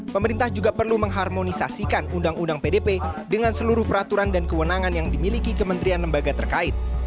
pemerintah juga perlu mengharmonisasikan undang undang pdp dengan seluruh peraturan dan kewenangan yang dimiliki kementerian lembaga terkait